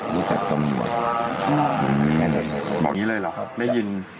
บอกอย่างนี้เลยเหรอไม่ยิน